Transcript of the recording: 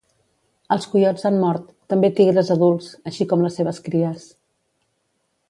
Els coiots han mort, també tigres adults, així com les seves cries